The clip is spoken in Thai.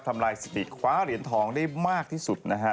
ทำลายสถิติคว้าเหรียญทองได้มากที่สุดนะฮะ